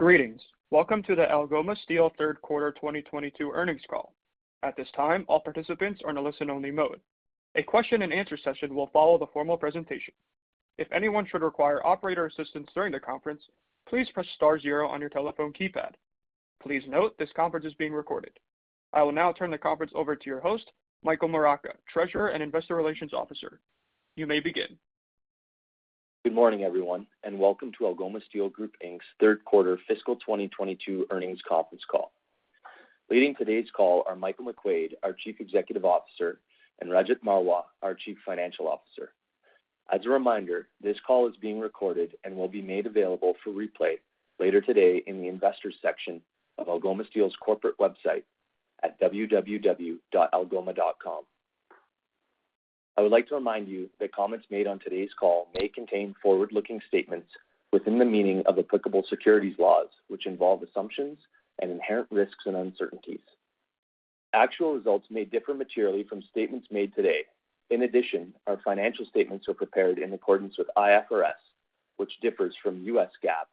Greetings. Welcome to the Algoma Steel Third Quarter 2022 Earnings Call. At this time, all participants are in a listen-only mode. A question-and-answer session will follow the formal presentation. If anyone should require operator assistance during the conference, please press star zero on your telephone keypad. Please note this conference is being recorded. I will now turn the conference over to your host, Michael Moraca, Treasurer and Investor Relations Officer. You may begin. Good morning, everyone, and welcome to Algoma Steel Group Inc.'s third quarter fiscal 2022 earnings conference call. Leading today's call are Michael McQuade, our Chief Executive Officer, and Rajat Marwah, our Chief Financial Officer. As a reminder, this call is being recorded and will be made available for replay later today in the Investors section of Algoma Steel's corporate website at www.algoma.com. I would like to remind you that comments made on today's call may contain forward-looking statements within the meaning of applicable securities laws, which involve assumptions and inherent risks and uncertainties. Actual results may differ materially from statements made today. In addition, our financial statements are prepared in accordance with IFRS, which differs from U.S. GAAP,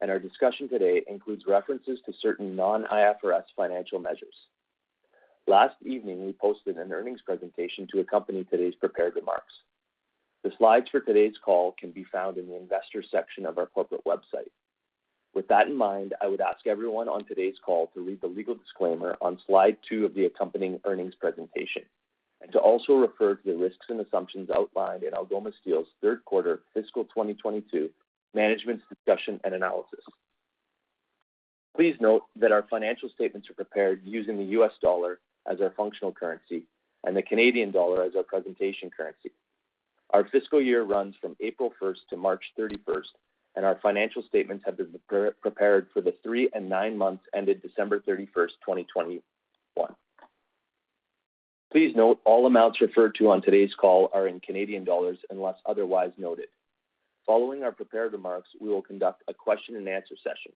and our discussion today includes references to certain non-IFRS financial measures. Last evening, we posted an earnings presentation to accompany today's prepared remarks. The slides for today's call can be found in the Investors section of our corporate website. With that in mind, I would ask everyone on today's call to read the legal disclaimer on slide 2 of the accompanying earnings presentation, and to also refer to the risks and assumptions outlined in Algoma Steel's third quarter fiscal 2022 Management's Discussion and Analysis. Please note that our financial statements are prepared using the U.S. dollar as our functional currency and the Canadian dollar as our presentation currency. Our fiscal year runs from April 1 to March 31, and our financial statements have been prepared for the three and nine months ended December 31, 2021. Please note all amounts referred to on today's call are in Canadian dollars, unless otherwise noted. Following our prepared remarks, we will conduct a question-and-answer session.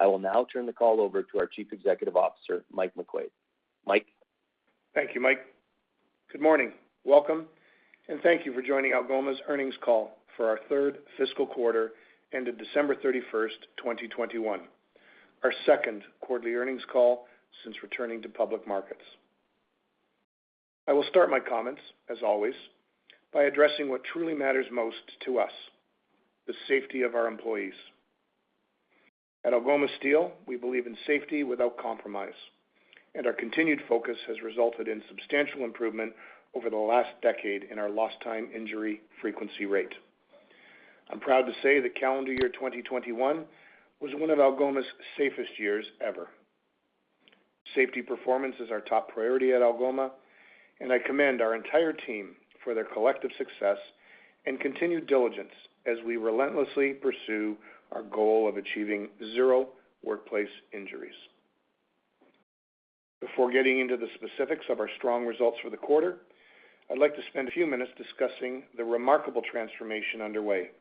I will now turn the call over to our Chief Executive Officer, Mike McQuade. Mike? Thank you, Mike. Good morning. Welcome, and thank you for joining Algoma's earnings call for our third fiscal quarter ended December 31, 2021, our second quarterly earnings call since returning to public markets. I will start my comments, as always, by addressing what truly matters most to us, the safety of our employees. At Algoma Steel, we believe in safety without compromise, and our continued focus has resulted in substantial improvement over the last decade in our lost time injury frequency rate. I'm proud to say that calendar year 2021 was one of Algoma's safest years ever. Safety performance is our top priority at Algoma, and I commend our entire team for their collective success and continued diligence as we relentlessly pursue our goal of achieving zero workplace injuries. Before getting into the specifics of our strong results for the quarter, I'd like to spend a few minutes discussing the remarkable transformation underway,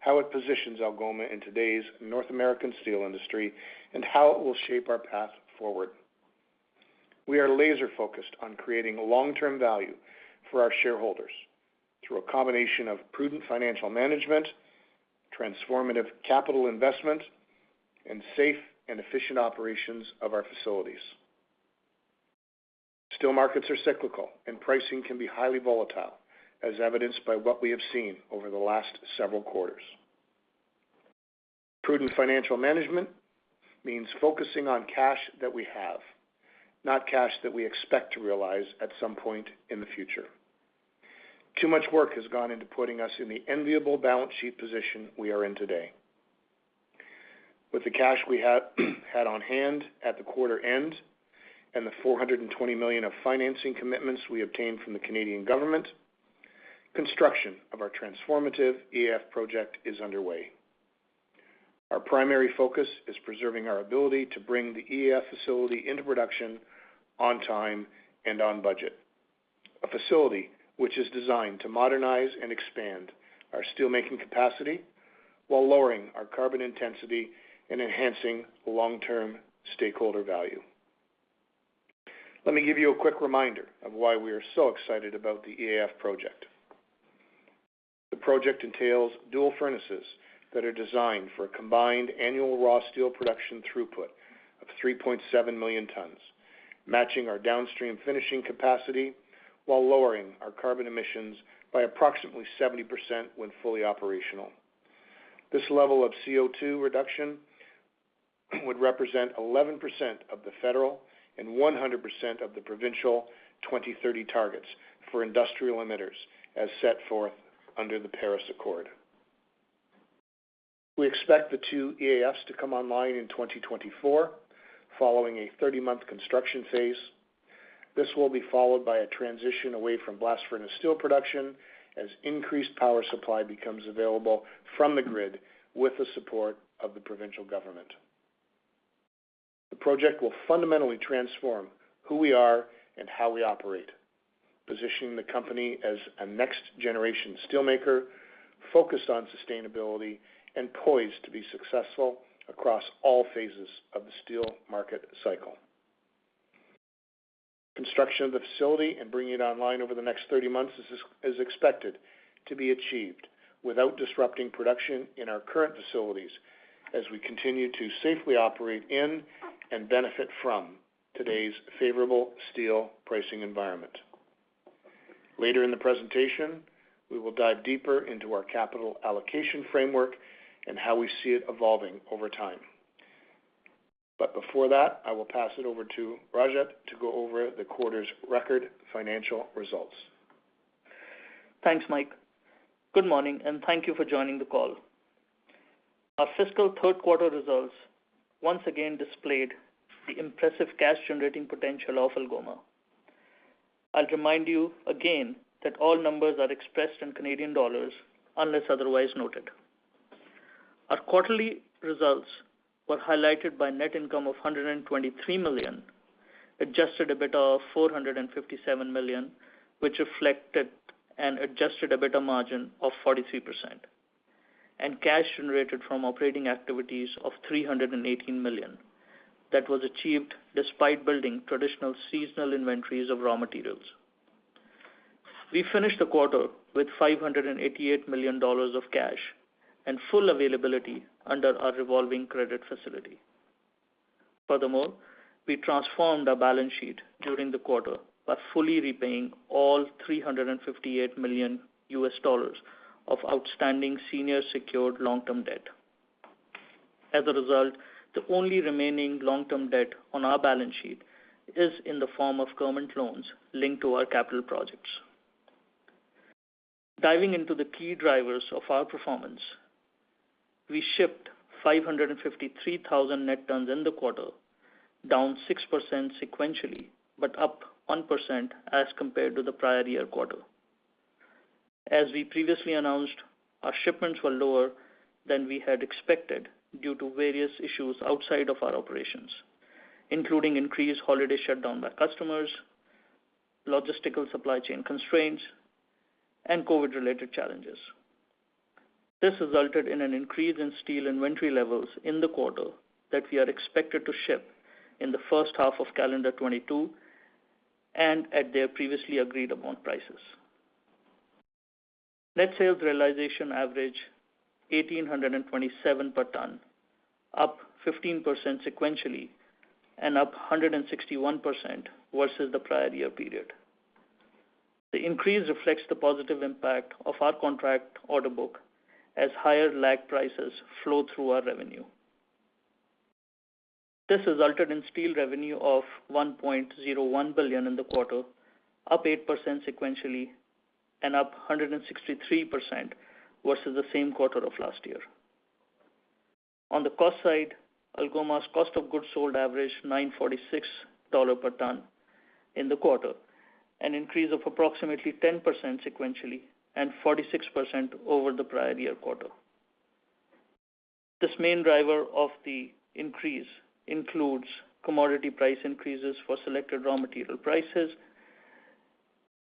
how it positions Algoma in today's North American steel industry, and how it will shape our path forward. We are laser-focused on creating long-term value for our shareholders through a combination of prudent financial management, transformative capital investment, and safe and efficient operations of our facilities. Steel markets are cyclical and pricing can be highly volatile, as evidenced by what we have seen over the last several quarters. Prudent financial management means focusing on cash that we have, not cash that we expect to realize at some point in the future. Too much work has gone into putting us in the enviable balance sheet position we are in today. With the cash we have had on-hand at the quarter end and the 420 million of financing commitments we obtained from the Canadian government, construction of our transformative EAF project is underway. Our primary focus is preserving our ability to bring the EAF facility into production on time and on budget, a facility which is designed to modernize and expand our steelmaking capacity while lowering our carbon intensity and enhancing long-term stakeholder value. Let me give you a quick reminder of why we are so excited about the EAF project. The project entails dual furnaces that are designed for a combined annual raw steel production throughput of 3.7 million tons, matching our downstream finishing capacity while lowering our carbon emissions by approximately 70% when fully operational. This level of CO₂ reduction would represent 11% of the federal and 100% of the provincial 2030 targets for industrial emitters as set forth under the Paris Agreement. We expect the two EAFs to come online in 2024 following a 30-month construction phase. This will be followed by a transition away from blast furnace steel production as increased power supply becomes available from the grid with the support of the provincial government. The project will fundamentally transform who we are and how we operate, positioning the company as a next-generation steelmaker focused on sustainability and poised to be successful across all phases of the steel market cycle. Construction of the facility and bringing it online over the next 30 months is expected to be achieved without disrupting production in our current facilities as we continue to safely operate in and benefit from today's favorable steel pricing environment. Later in the presentation, we will dive deeper into our capital allocation framework and how we see it evolving over time. Before that, I will pass it over to Rajat to go over the quarter's record financial results. Thanks, Mike. Good morning, and thank you for joining the call. Our fiscal third quarter results once again displayed the impressive cash-generating potential of Algoma. I'll remind you again that all numbers are expressed in Canadian dollars, unless otherwise noted. Our quarterly results were highlighted by net income of 123 million, adjusted EBITDA of 457 million, which reflected an adjusted EBITDA margin of 43%, and cash generated from operating activities of 318 million. That was achieved despite building traditional seasonal inventories of raw materials. We finished the quarter with 588 million dollars of cash and full availability under our revolving credit facility. Furthermore, we transformed our balance sheet during the quarter by fully repaying all $358 million of outstanding senior secured long-term debt. As a result, the only remaining long-term debt on our balance sheet is in the form of government loans linked to our capital projects. Diving into the key drivers of our performance, we shipped 553,000 net tons in the quarter, down 6% sequentially, but up 1% as compared to the prior year quarter. As we previously announced, our shipments were lower than we had expected due to various issues outside of our operations, including increased holiday shutdown by customers, logistical supply chain constraints, and COVID-related challenges. This resulted in an increase in steel inventory levels in the quarter that we are expected to ship in the first half of calendar 2022 and at their previously agreed upon prices. Net sales realization averaged 1,827 per ton, up 15% sequentially and up 161% versus the prior year period. The increase reflects the positive impact of our contract order book as higher lag prices flow through our revenue. This resulted in steel revenue of 1.01 billion in the quarter, up 8% sequentially and up 163% versus the same quarter of last year. On the cost side, Algoma's cost of goods sold averaged 946 dollar per ton in the quarter, an increase of approximately 10% sequentially and 46% over the prior year quarter. The main driver of the increase includes commodity price increases for selected raw material prices,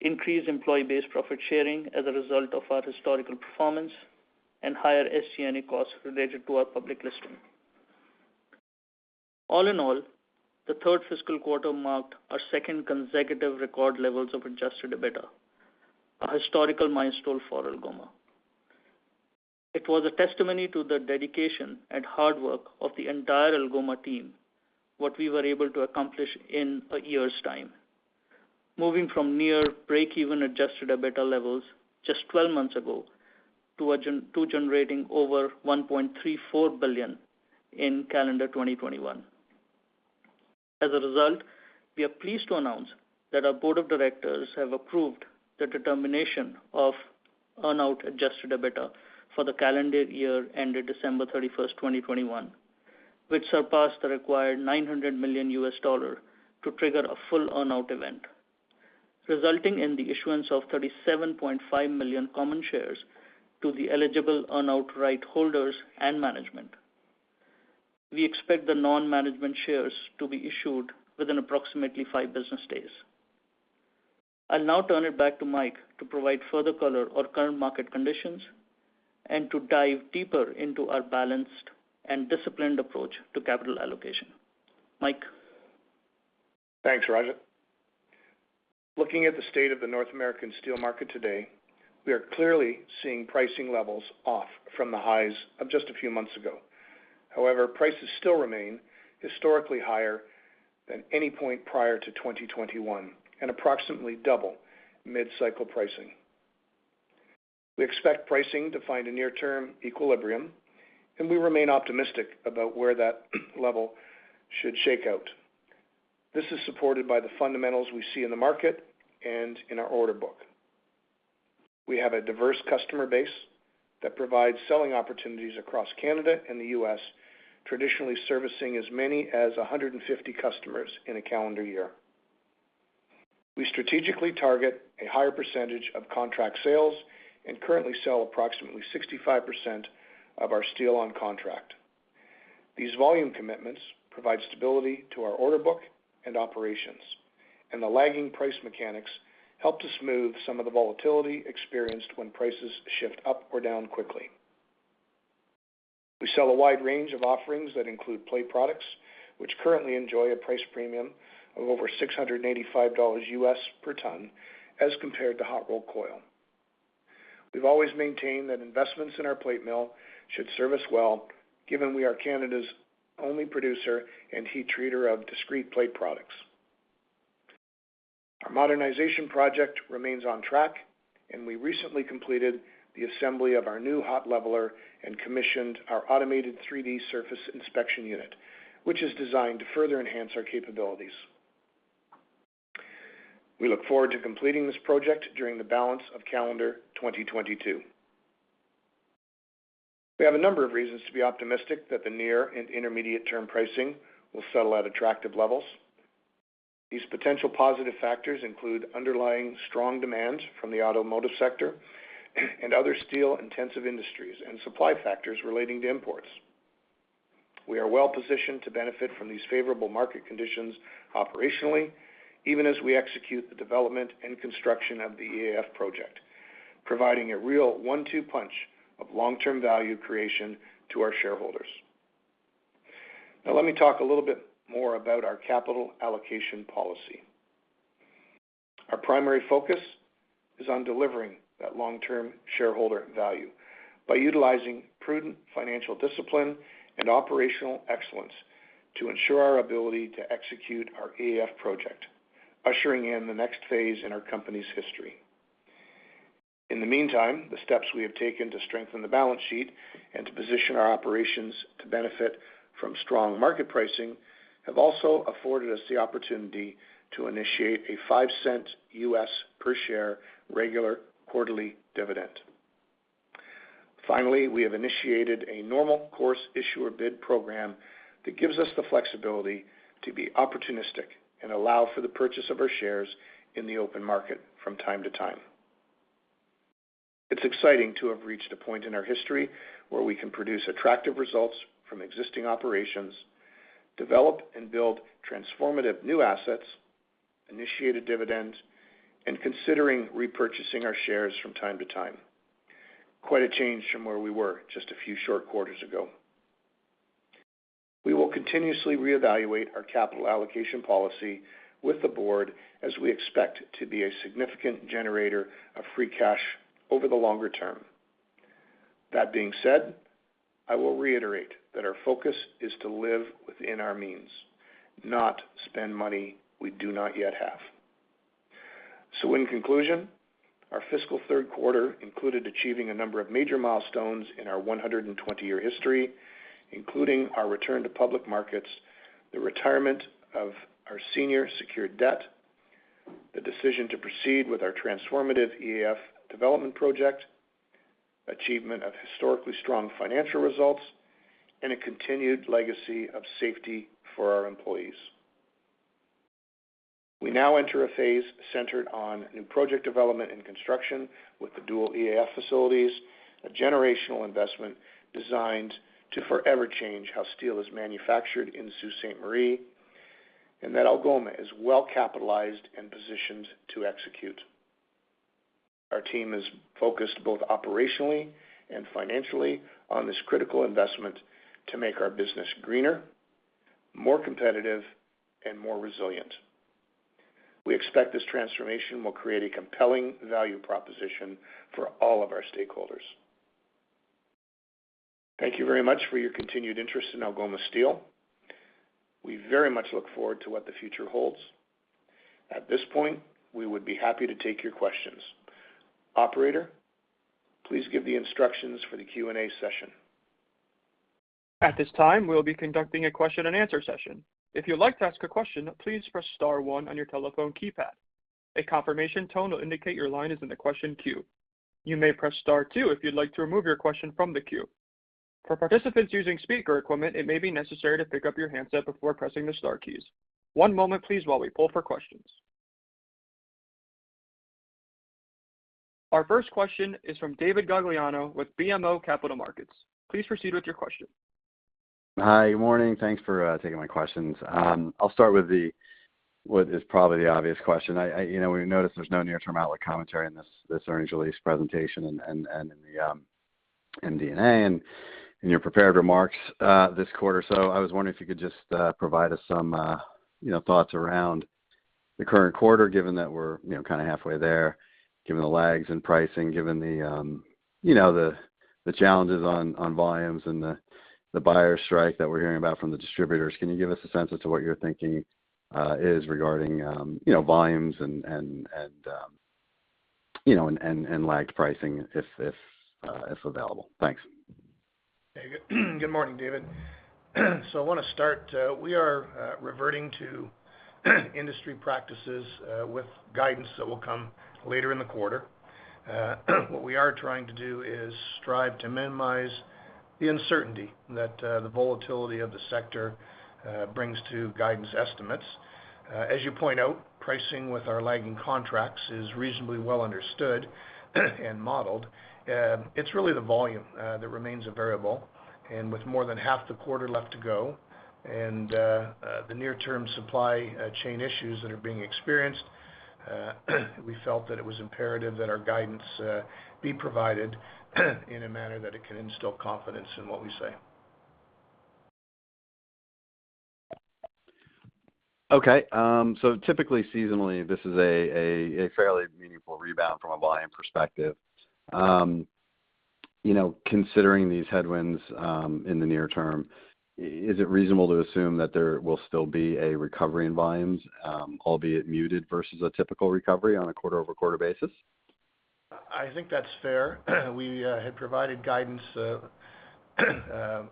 increased employee-based profit sharing as a result of our historical performance, and higher SG&A costs related to our public listing. All in all, the third fiscal quarter marked our second consecutive record levels of adjusted EBITDA, a historical milestone for Algoma. It was a testimony to the dedication and hard work of the entire Algoma team, what we were able to accomplish in a year's time. Moving from near break-even adjusted EBITDA levels just 12 months ago to generating over $1.34 billion in calendar 2021. As a result, we are pleased to announce that our board of directors have approved the determination of earn-out adjusted EBITDA for the calendar year ended December 31, 2021, which surpassed the required $900 million to trigger a full earn-out event, resulting in the issuance of 37.5 million common shares to the eligible earn-out right holders and management. We expect the non-management shares to be issued within approximately five business days. I'll now turn it back to Mike to provide further color on current market conditions and to dive deeper into our balanced and disciplined approach to capital allocation. Mike? Thanks, Rajat. Looking at the state of the North American steel market today, we are clearly seeing pricing levels off from the highs of just a few months ago. However, prices still remain historically higher than any point prior to 2021 and approximately double mid-cycle pricing. We expect pricing to find a near-term equilibrium, and we remain optimistic about where that level should shake out. This is supported by the fundamentals we see in the market and in our order book. We have a diverse customer base that provides selling opportunities across Canada and the U.S., traditionally servicing as many as 150 customers in a calendar year. We strategically target a higher percentage of contract sales and currently sell approximately 65% of our steel on contract. These volume commitments provide stability to our order book and operations, and the lagging price mechanics help to smooth some of the volatility experienced when prices shift up or down quickly. We sell a wide range of offerings that include plate products, which currently enjoy a price premium of over $685 per ton as compared to hot rolled coil. We've always maintained that investments in our plate mill should serve us well, given we are Canada's only producer and heat treater of discrete plate products. Our modernization project remains on track, and we recently completed the assembly of our new hot leveler and commissioned our automated 3D surface inspection unit, which is designed to further enhance our capabilities. We look forward to completing this project during the balance of calendar 2022. We have a number of reasons to be optimistic that the near and intermediate term pricing will settle at attractive levels. These potential positive factors include underlying strong demand from the automotive sector and other steel-intensive industries and supply factors relating to imports. We are well-positioned to benefit from these favorable market conditions operationally, even as we execute the development and construction of the EAF project, providing a real one-two punch of long-term value creation to our shareholders. Now, let me talk a little bit more about our capital allocation policy. Our primary focus is on delivering that long-term shareholder value by utilizing prudent financial discipline and operational excellence to ensure our ability to execute our EAF project, ushering in the next phase in our company's history. In the meantime, the steps we have taken to strengthen the balance sheet and to position our operations to benefit from strong market pricing have also afforded us the opportunity to initiate a $0.05 per share regular quarterly dividend. Finally, we have initiated a normal course issuer bid program that gives us the flexibility to be opportunistic and allow for the purchase of our shares in the open market from time to time. It's exciting to have reached a point in our history where we can produce attractive results from existing operations, develop and build transformative new assets, initiate a dividend, and considering repurchasing our shares from time to time. Quite a change from where we were just a few short quarters ago. We will continuously reevaluate our capital allocation policy with the board as we expect to be a significant generator of free cash over the longer term. That being said, I will reiterate that our focus is to live within our means, not spend money we do not yet have. In conclusion, our fiscal third quarter included achieving a number of major milestones in our 120-year history, including our return to public markets, the retirement of our senior secured debt, the decision to proceed with our transformative EAF development project, achievement of historically strong financial results, and a continued legacy of safety for our employees. We now enter a phase centered on new project development and construction with the dual EAF facilities, a generational investment designed to forever change how steel is manufactured in Sault Ste. Marie, and that Algoma is well capitalized and positioned to execute. Our team is focused both operationally and financially on this critical investment to make our business greener, more competitive, and more resilient. We expect this transformation will create a compelling value proposition for all of our stakeholders. Thank you very much for your continued interest in Algoma Steel. We very much look forward to what the future holds. At this point, we would be happy to take your questions. Operator, please give the instructions for the Q&A session. At this time, we'll be conducting a question-and-answer session. If you'd like to ask a question, please press star one on your telephone keypad. A confirmation tone will indicate your line is in the question queue. You may press star two if you'd like to remove your question from the queue. For participants using speaker equipment, it may be necessary to pick up your handset before pressing the star keys. One moment, please, while we poll for questions. Our first question is from David Gagliano with BMO Capital Markets. Please proceed with your question. Hi. Good morning. Thanks for taking my questions. I'll start with what is probably the obvious question. You know, we noticed there's no near-term outlook commentary in this earnings release presentation and in the MD&A and in your prepared remarks this quarter. I was wondering if you could just provide us some thoughts around the current quarter, given that we're you know, kind of halfway there, given the lags in pricing, given you know, the challenges on volumes and the buyer strike that we're hearing about from the distributors. Can you give us a sense as to what your thinking is regarding volumes and lagged pricing if available? Thanks. Good morning, David. I wanna start, we are reverting to industry practices with guidance that will come later in the quarter. What we are trying to do is strive to minimize the uncertainty that the volatility of the sector brings to guidance estimates. As you point out, pricing with our lagging contracts is reasonably well understood and modeled. It's really the volume that remains a variable. With more than half the quarter left to go and the near-term supply chain issues that are being experienced, we felt that it was imperative that our guidance be provided in a manner that it can instill confidence in what we say. Okay. Typically seasonally, this is a fairly meaningful rebound from a volume perspective. You know, considering these headwinds, in the near term, is it reasonable to assume that there will still be a recovery in volumes, albeit muted versus a typical recovery on a quarter-over-quarter basis? I think that's fair. We had provided guidance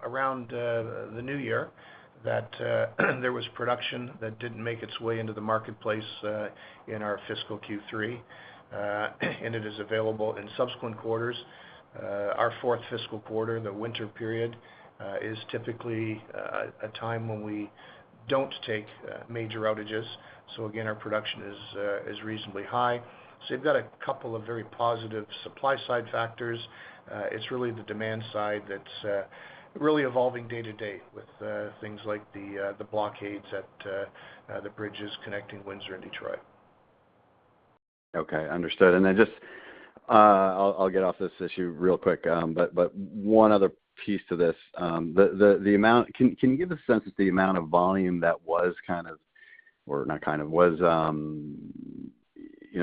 around the new year that there was production that didn't make its way into the marketplace in our fiscal Q3 and it is available in subsequent quarters. Our fourth fiscal quarter, the winter period, is typically a time when we don't take major outages. Again, our production is reasonably high. You've got a couple of very positive supply-side factors. It's really the demand-side that's really evolving day to day with things like the blockades at the bridges connecting Windsor and Detroit. Okay, understood. Then just, I'll get off this issue real quick. One other piece to this, the amount. Can you give a sense of the amount of volume that was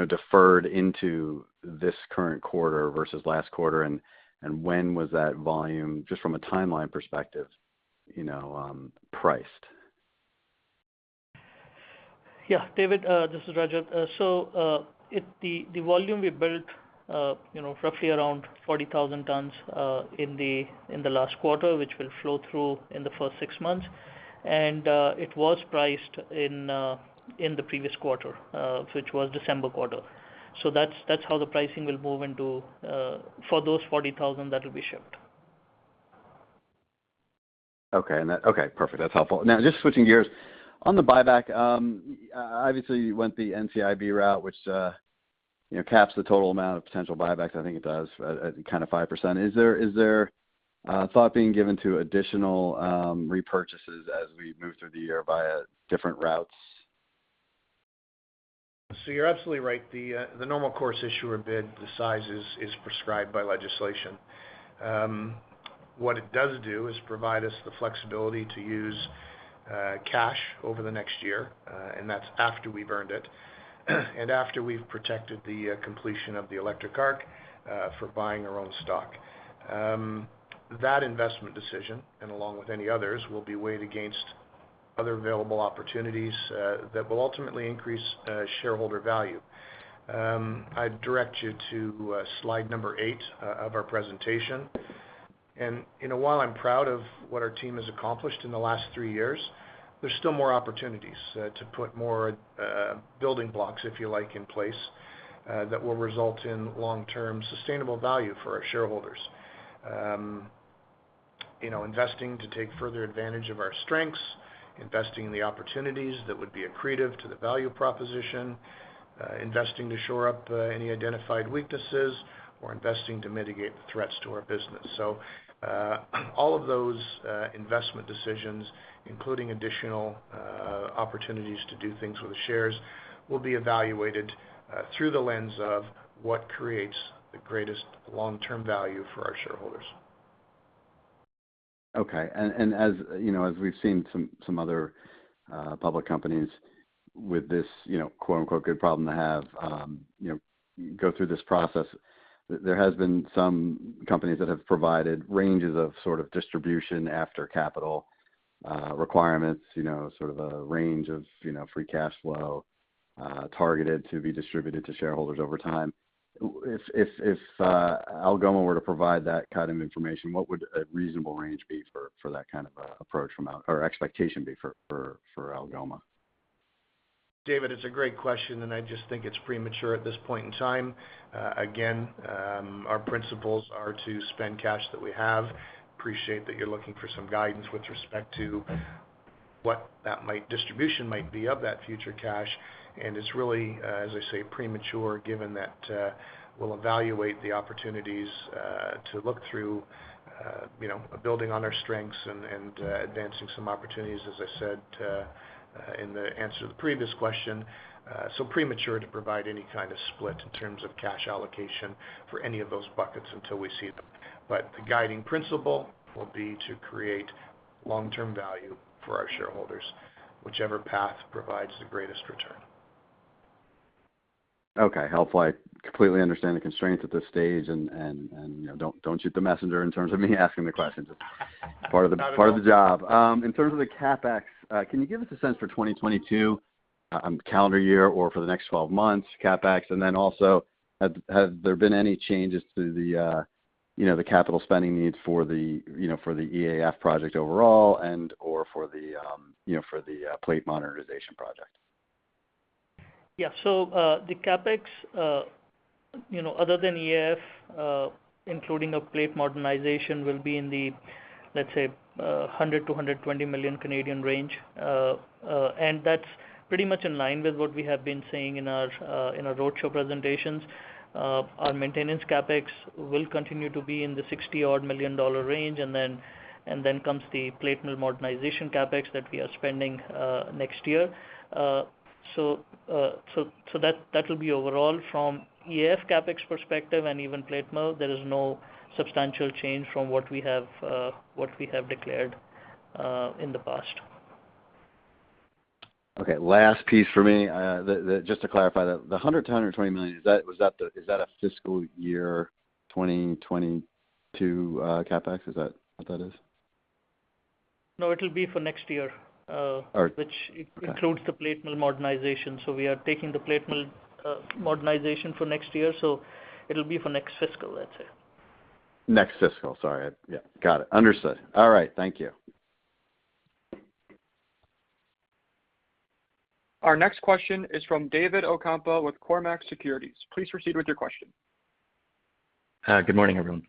deferred into this current quarter versus last quarter? When was that volume, just from a timeline perspective, you know, priced? Yeah. David, this is Rajat. The volume we built, you know, roughly around 40,000 tons in the last quarter, which will flow through in the first six months. It was priced in the previous quarter, which was December quarter. That's how the pricing will move into for those 40,000 that will be shipped. Okay, perfect. That's helpful. Now just switching gears. On the buyback, obviously you went the NCIB route, which, you know, caps the total amount of potential buybacks. I think it does at kind of 5%. Is there thought being given to additional repurchases as we move through the year via different routes? You're absolutely right. The normal course issuer bid, the size is prescribed by legislation. What it does do is provide us the flexibility to use cash over the next year, and that's after we've earned it, and after we've protected the completion of the electric arc for buying our own stock. That investment decision, and along with any others, will be weighed against other available opportunities that will ultimately increase shareholder value. I'd direct you to slide number 8 of our presentation. You know, while I'm proud of what our team has accomplished in the last three years, there's still more opportunities to put more building blocks, if you like, in place that will result in long-term sustainable value for our shareholders. You know, investing to take further advantage of our strengths, investing in the opportunities that would be accretive to the value proposition, investing to shore up any identified weaknesses, or investing to mitigate the threats to our business. All of those investment decisions, including additional opportunities to do things with the shares, will be evaluated through the lens of what creates the greatest long-term value for our shareholders. Okay. As you know, as we've seen some other public companies with this, you know, quote-unquote, good problem to have, you know, go through this process, there has been some companies that have provided ranges of sort of distribution after capital requirements, you know, sort of a range of, you know, free cash flow targeted to be distributed to shareholders over time. If Algoma were to provide that kind of information, what would a reasonable range be for that kind of approach or expectation be for Algoma? David, it's a great question, and I just think it's premature at this point in time. Again, our principles are to spend cash that we have. Appreciate that you're looking for some guidance with respect to what that distribution might be of that future cash. It's really, as I say, premature given that we'll evaluate the opportunities to look through you know, building on our strengths and advancing some opportunities, as I said, in the answer to the previous question. Premature to provide any kind of split in terms of cash allocation for any of those buckets until we see them. The guiding principle will be to create long-term value for our shareholders, whichever path provides the greatest return. Okay. Helpful. I completely understand the constraints at this stage, and you know, don't shoot the messenger in terms of me asking the questions. Not at all. Part of the job. In terms of the CapEx, can you give us a sense for 2022, calendar year or for the next 12 months CapEx? Also, have there been any changes to the, you know, the capital spending needs for the, you know, for the EAF project overall and/or for the, you know, for the plate modernization project? Yeah. The CapEx, you know, other than EAF, including a plate modernization, will be in the, let's say, 100 million-120 million range. That's pretty much in line with what we have been saying in our roadshow presentations. Our maintenance CapEx will continue to be in the 60-odd million dollar range, and then comes the plate mill modernization CapEx that we are spending next year. That will be overall from EAF CapEx perspective and even plate mill. There is no substantial change from what we have declared in the past. Okay. Last piece for me, just to clarify that. The 100 million-120 million, is that, was that the, is that a fiscal year 2022 CapEx? Is that what that is? No, it'll be for next year. All right. which includes the plate mill modernization. We are taking the plate mill modernization for next year, so it'll be for next fiscal, let's say. Next fiscal. Sorry, yeah. Got it. Understood. All right. Thank you. Our next question is from David Ocampo with Cormark Securities. Please proceed with your question. Good morning, everyone.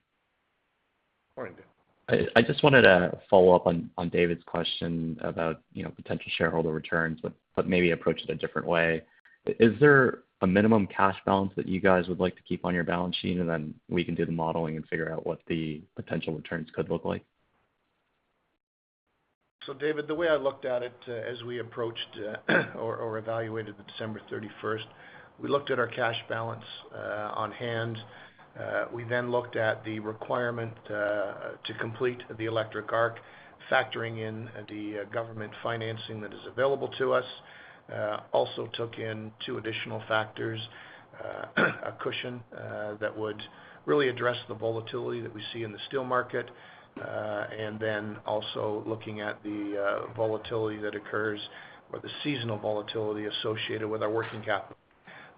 Morning, David. I just wanted to follow up on David's question about, you know, potential shareholder returns, but maybe approach it a different way. Is there a minimum cash balance that you guys would like to keep on your balance sheet, and then we can do the modeling and figure out what the potential returns could look like? David, the way I looked at it, as we evaluated December 31, we looked at our cash balance on hand. We then looked at the requirement to complete the Electric Arc Furnace, factoring in the government financing that is available to us. We also took in two additional factors, a cushion that would really address the volatility that we see in the steel market, and then also looking at the volatility that occurs or the seasonal volatility associated with our working capital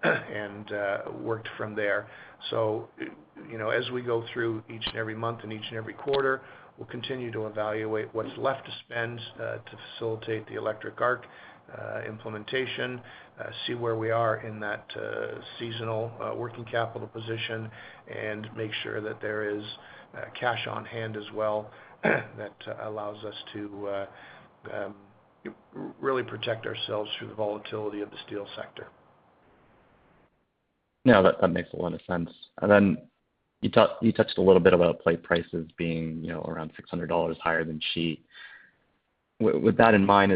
and worked from there. You know, as we go through each and every month and each and every quarter, we'll continue to evaluate what's left to spend to facilitate the electric arc implementation, see where we are in that seasonal working capital position and make sure that there is cash on hand as well that allows us to really protect ourselves through the volatility of the steel sector. No, that makes a lot of sense. You touched a little bit about plate prices being, you know, around $600 higher than sheet. With that in mind,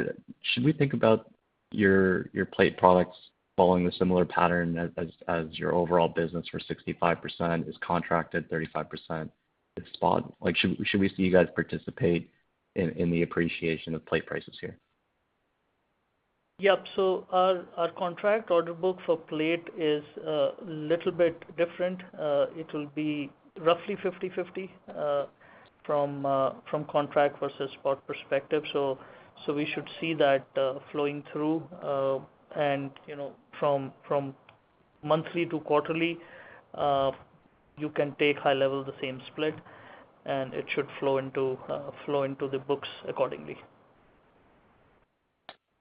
should we think about your plate products following the similar pattern as your overall business for 65% is contracted, 35% is spot? Like, should we see you guys participate in the appreciation of plate prices here? Yep. Our contract order book for plate is little bit different. It will be roughly 50/50 from contract versus spot perspective. We should see that flowing through, and you know, from monthly to quarterly, you can take high level the same split, and it should flow into the books accordingly.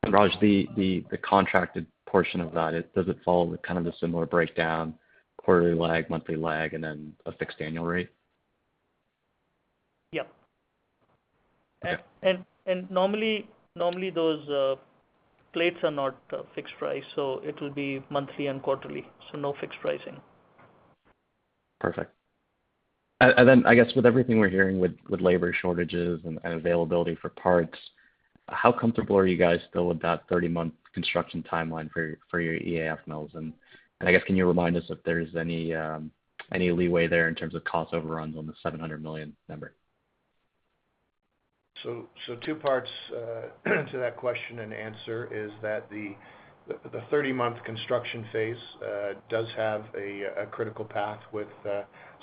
Raj, the contracted portion of that, does it follow kind of a similar breakdown, quarterly lag, monthly lag, and then a fixed annual rate? Yep. Okay. Normally those plates are not fixed price, so it will be monthly and quarterly, so no fixed pricing. Perfect. I guess with everything we're hearing with labor shortages and availability for parts, how comfortable are you guys still with that 30-month construction timeline for your EAF mills? I guess can you remind us if there's any leeway there in terms of cost overruns on the 700 million number? Two parts to that question and answer is that the 30-month construction phase does have a critical path with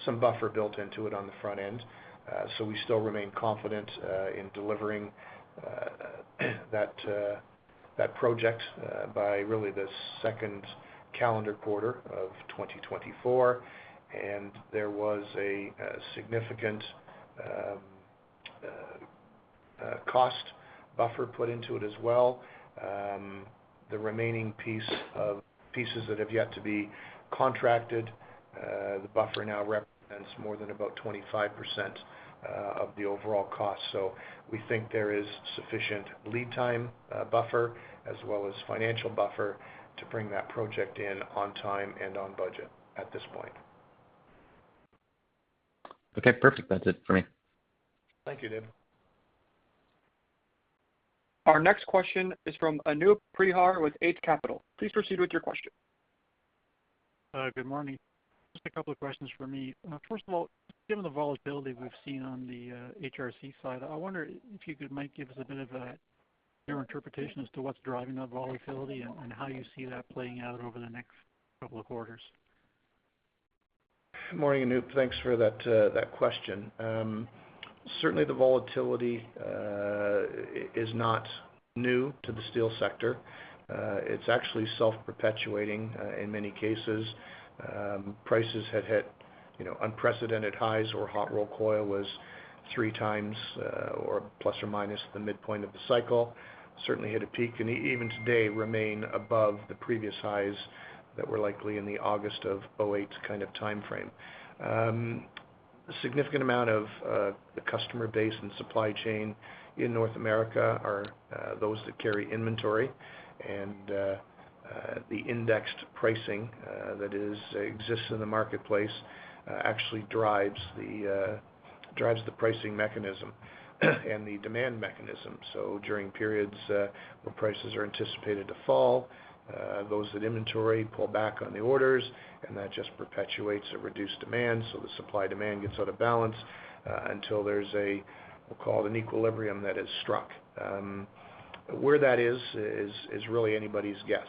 some buffer built into it on the front end. We still remain confident in delivering that project by really the second calendar quarter of 2024. There was a significant cost buffer put into it as well. The remaining pieces that have yet to be contracted, the buffer now represents more than about 25% of the overall cost. We think there is sufficient lead time buffer as well as financial buffer to bring that project in on time and on budget at this point. Okay, perfect. That's it for me. Thank you, David. Our next question is from Anoop Prihar with Eight Capital. Please proceed with your question. Good morning. Just a couple of questions for me. First of all, given the volatility we've seen on the HRC side, I wonder if you might give us a bit of your interpretation as to what's driving that volatility and how you see that playing out over the next couple of quarters. Morning, Anoop. Thanks for that question. Certainly the volatility is not new to the steel sector. It's actually self-perpetuating in many cases. Prices had hit, you know, unprecedented highs, where hot rolled coil was 3x or plus or minus the midpoint of the cycle. Certainly hit a peak and even today remain above the previous highs that were likely in the August of 2008 kind of timeframe. Significant amount of the customer base and supply chain in North America are those that carry inventory, and the indexed pricing that exists in the marketplace actually drives the pricing mechanism and the demand mechanism. During periods where prices are anticipated to fall, those with inventory pull back on the orders, and that just perpetuates a reduced demand, so the supply-demand gets out of balance until there's an equilibrium that is struck. Where that is is really anybody's guess.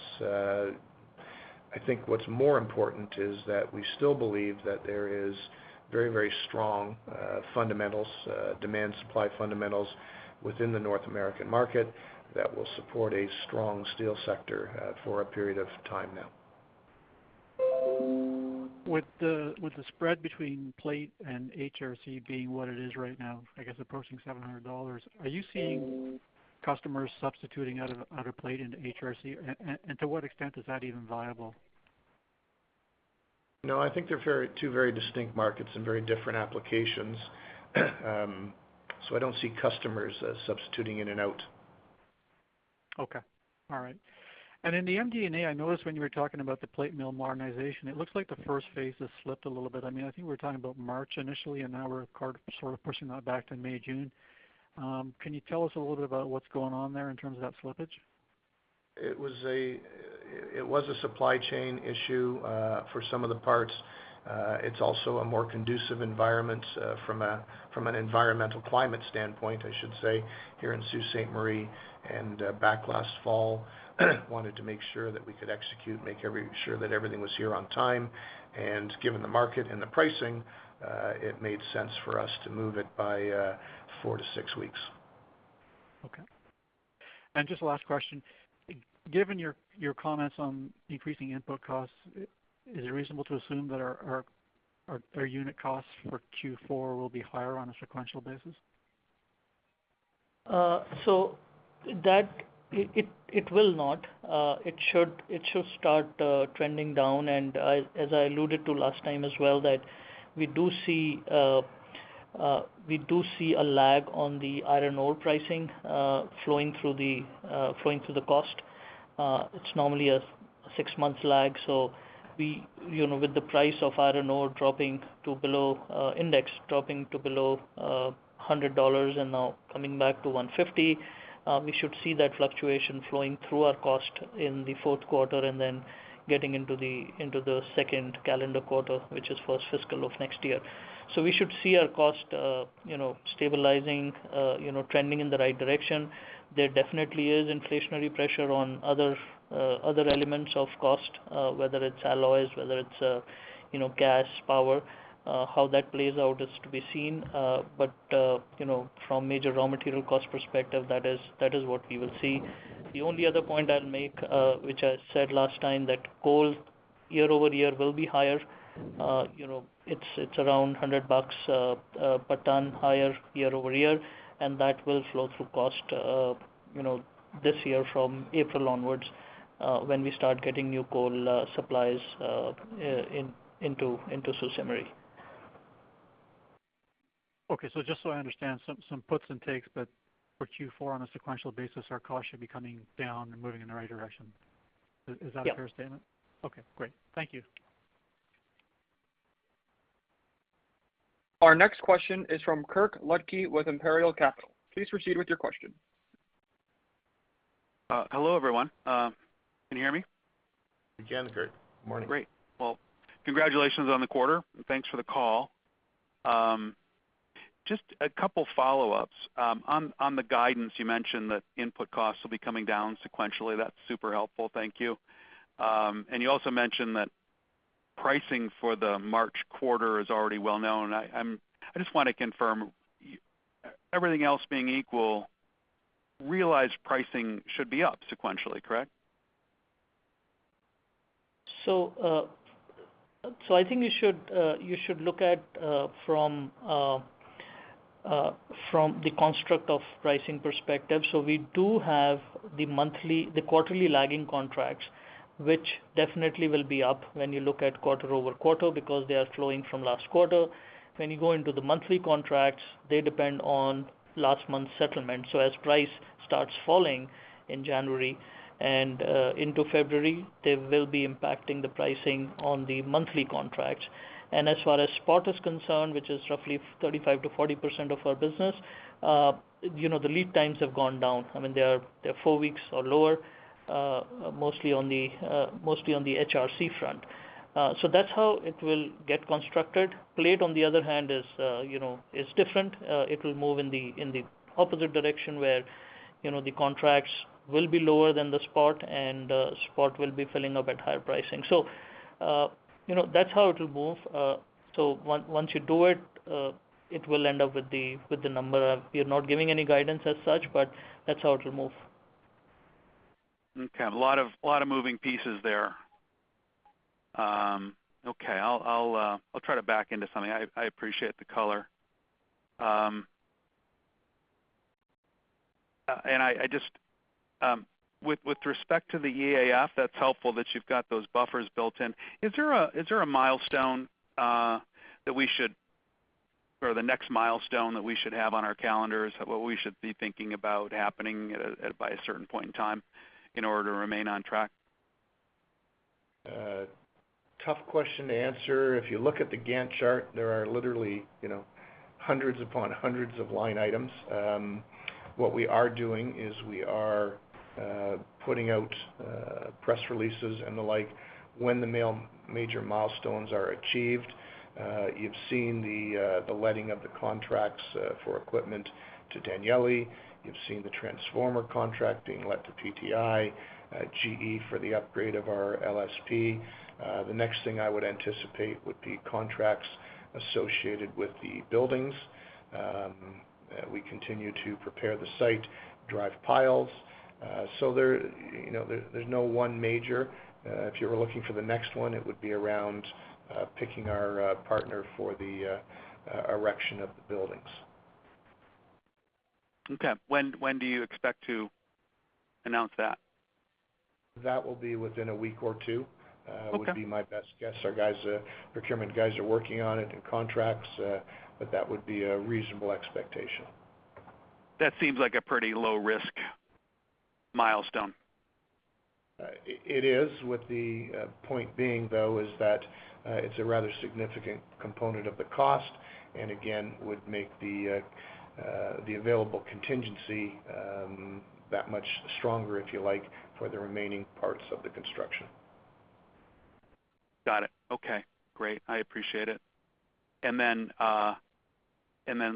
I think what's more important is that we still believe that there is very, very strong fundamentals, demand-supply fundamentals within the North American market that will support a strong steel sector for a period of time now. With the spread between plate and HRC being what it is right now, I guess approaching $700, are you seeing customers substituting out of plate into HRC? To what extent is that even viable? No, I think they're two very distinct markets and very different applications. So I don't see customers substituting in and out. Okay. All right. In the MD&A, I noticed when you were talking about the plate mill modernization, it looks like the first phase has slipped a little bit. I mean, I think we're talking about March initially, and now we're sort of pushing that back to May, June. Can you tell us a little bit about what's going on there in terms of that slippage? It was a supply chain issue for some of the parts. It's also a more conducive environment from an environmental climate standpoint, I should say, here in Sault Ste. Marie. Back last fall, we wanted to make sure that we could execute, make sure that everything was here on time. Given the market and the pricing, it made sense for us to move it by 4-6 weeks. Okay. Just last question. Given your comments on decreasing input costs, is it reasonable to assume that our unit costs for Q4 will be higher on a sequential basis? It will not. It should start trending down. As I alluded to last time as well, that we do see a lag on the iron ore pricing flowing through the cost. It's normally a six-month lag. We, you know, with the price of iron ore dropping to below $100 and now coming back to $150, we should see that fluctuation flowing through our cost in the fourth quarter and then getting into the second calendar quarter, which is first fiscal of next year. We should see our cost, you know, stabilizing, you know, trending in the right direction. There definitely is inflationary pressure on other elements of cost, whether it's alloys, whether it's you know, gas, power. How that plays out is to be seen. You know, from major raw material cost perspective, that is what we will see. The only other point I'll make, which I said last time, that coal year-over-year will be higher. You know, it's around $100 per ton higher year-over-year, and that will flow through cost, you know, this year from April onwards, when we start getting new coal supplies into Sault Ste. Marie. Okay. Just so I understand some puts and takes, but for Q4 on a sequential basis, our cost should be coming down and moving in the right direction. Is that a fair statement? Yeah. Okay, great. Thank you. Our next question is from Kirk Ludtke with Imperial Capital. Please proceed with your question. Hello, everyone. Can you hear me? We can, Kirk. Good morning. Great. Well, congratulations on the quarter, and thanks for the call. Just a couple follow-ups. On the guidance, you mentioned that input costs will be coming down sequentially. That's super helpful. Thank you. You also mentioned that pricing for the March quarter is already well known. I just wanna confirm, everything else being equal, realized pricing should be up sequentially, correct? I think you should look at from the construct of pricing perspective. We do have the monthly, the quarterly lagging contracts, which definitely will be up when you look at quarter-over-quarter because they are flowing from last quarter. When you go into the monthly contracts, they depend on last month's settlement. As price starts falling in January and into February, they will be impacting the pricing on the monthly contracts. As far as spot is concerned, which is roughly 35%-40% of our business, you know, the lead times have gone down. I mean, they're four weeks or lower, mostly on the HRC front. That's how it will get constructed. Plate, on the other hand, is different. It will move in the opposite direction where, you know, the contracts will be lower than the spot, and spot will be filling up at higher pricing. You know, that's how it will move. Once you do it will end up with the number. We are not giving any guidance as such, but that's how it will move. Okay. A lot of moving pieces there. Okay. I'll try to back into something. I appreciate the color. I just, with respect to the EAF, that's helpful that you've got those buffers built in. Is there a milestone or the next milestone that we should have on our calendars? What we should be thinking about happening at by a certain point in time in order to remain on track? Tough question to answer. If you look at the Gantt chart, there are literally, you know, hundreds upon hundreds of line items. What we are doing is putting out press releases and the like when the mill major milestones are achieved. You've seen the letting of the contracts for equipment to Danieli. You've seen the transformer contract being let to PTI, GE for the upgrade of our DSPC. The next thing I would anticipate would be contracts associated with the buildings. We continue to prepare the site, drive piles. There, you know, there's no one major. If you were looking for the next one, it would be around picking our partner for the erection of the buildings. Okay. When do you expect to announce that? That will be within a week or two. Okay. Would be my best guess. Our guys, procurement guys are working on it and contracts, but that would be a reasonable expectation. That seems like a pretty low-risk milestone. It is. The point being, though, is that it's a rather significant component of the cost, and again, would make the available contingency that much stronger, if you like, for the remaining parts of the construction. Got it. Okay, great. I appreciate it.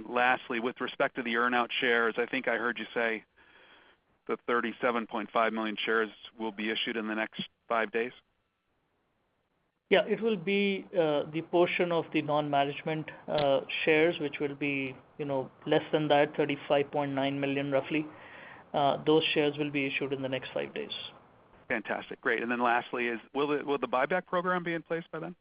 Lastly, with respect to the earn-out shares, I think I heard you say the 37.5 million shares will be issued in the next five days? Yeah. It will be the portion of the non-management shares, which will be, you know, less than that, 35.9 million, roughly. Those shares will be issued in the next five days. Fantastic. Great. Lastly, will the buyback program be in place by then?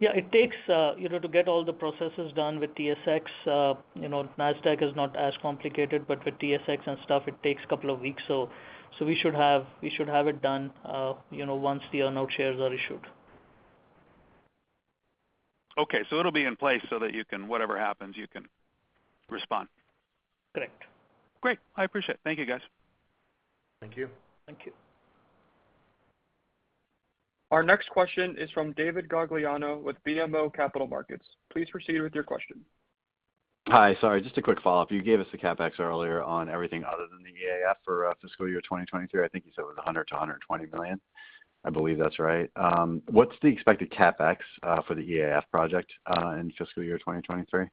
It takes, you know, to get all the processes done with TSX, you know, Nasdaq is not as complicated, but with TSX and stuff, it takes a couple of weeks. We should have it done, you know, once the earn-out shares are issued. Okay, it'll be in place so that you can, whatever happens, you can respond? Correct. Great. I appreciate it. Thank you, guys. Thank you. Thank you. Our next question is from David Gagliano with BMO Capital Markets. Please proceed with your question. Hi. Sorry, just a quick follow-up. You gave us the CapEx earlier on everything other than the EAF for fiscal year 2023. I think you said it was 100 million-120 million. I believe that's right. What's the expected CapEx for the EAF project in fiscal year 2023?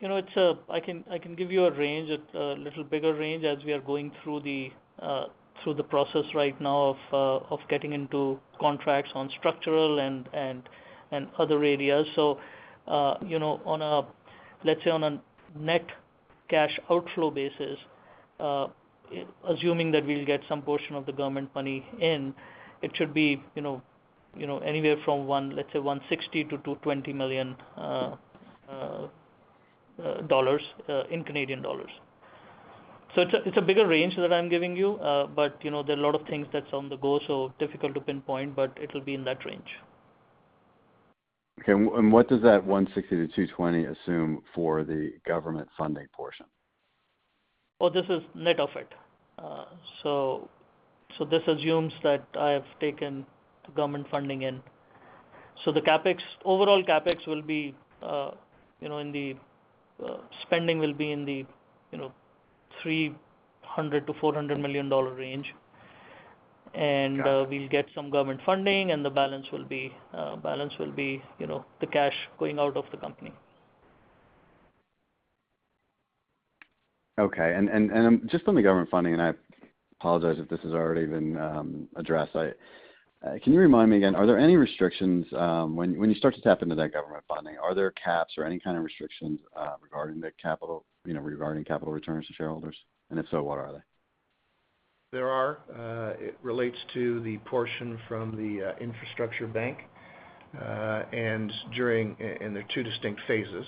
You know, I can give you a range, a little bigger range as we are going through the process right now of getting into contracts on structural and other areas. You know, let's say, on a net cash outflow basis, assuming that we'll get some portion of the government money in, it should be anywhere from, let's say, 160 million-220 million dollars in Canadian dollars. It's a bigger range that I'm giving you. You know, there are a lot of things that's on the go, so it's difficult to pinpoint, but it'll be in that range. Okay. What does that 160 million-220 million assume for the government funding portion? Well, this is net of it. This assumes that I have taken the government funding in. The CapEx, overall CapEx will be, you know, in the spending will be in the, you know, 300 million-400 million dollar range. We'll get some government funding, and the balance will be, you know, the cash going out of the company. Okay. Just on the government funding, I apologize if this has already been addressed. Can you remind me again, are there any restrictions when you start to tap into that government funding, are there caps or any kind of restrictions regarding the capital, you know, regarding capital returns to shareholders? If so, what are they? There are. It relates to the portion from the Infrastructure Bank. There are two distinct phases.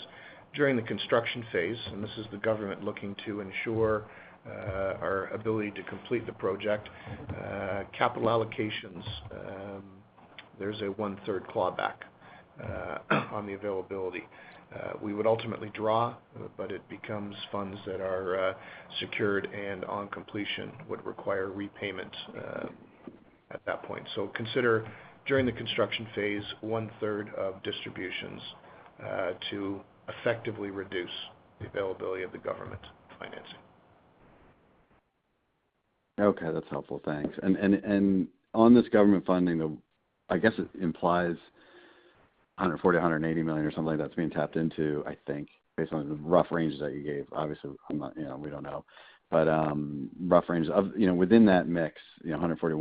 During the construction phase, this is the government looking to ensure our ability to complete the project, capital allocations. There's a one-third clawback on the availability. We would ultimately draw, but it becomes funds that are secured and on completion would require repayment at that point. Consider during the construction phase one-third of distributions to effectively reduce the availability of the government financing. Okay, that's helpful. Thanks. On this government funding, I guess it implies 140 million-180 million or something like that being tapped into, I think, based on the rough ranges that you gave. Obviously, I'm not, we don't know. Rough range of within that mix, 140 million,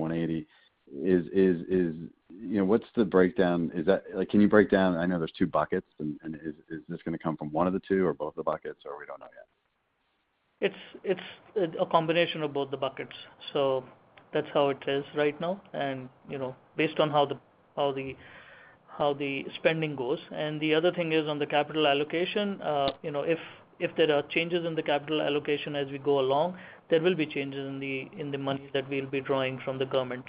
180 million is what's the breakdown? Is that like, can you break down? I know there's two buckets and is this gonna come from one of the two or both of the buckets or we don't know yet? It's a combination of both the buckets. That's how it is right now and, you know, based on how the spending goes. The other thing is on the capital allocation, you know, if there are changes in the capital allocation as we go along, there will be changes in the money that we'll be drawing from the government.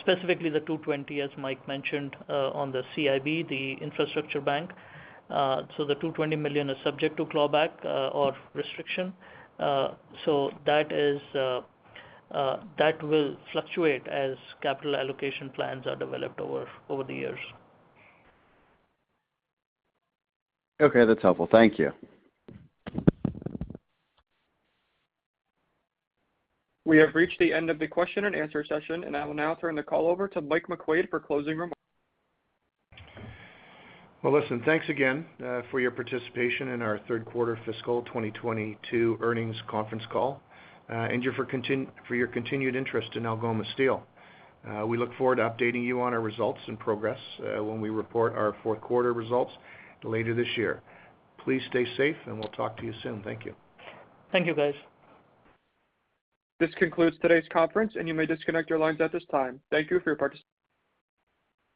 Specifically the 220, as Mike mentioned, on the CIB, the Infrastructure Bank. The 220 million is subject to clawback or restriction. That will fluctuate as capital allocation plans are developed over the years. Okay, that's helpful. Thank you. We have reached the end of the question and answer session, and I will now turn the call over to Mike McQuade for closing remarks. Well, listen, thanks again for your participation in our third quarter fiscal 2022 earnings conference call, and for your continued interest in Algoma Steel. We look forward to updating you on our results and progress when we report our fourth quarter results later this year. Please stay safe, and we'll talk to you soon. Thank you. Thank you, guys. This concludes today's conference, and you may disconnect your lines at this time. Thank you for your participation.